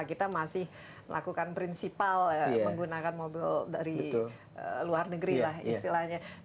kita masih melakukan prinsipal menggunakan mobil dari luar negeri lah istilahnya